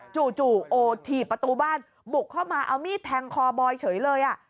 จู่โอถีบประตูบ้านบุกเข้ามาเอามีดแทงคอบอยเฉยเลย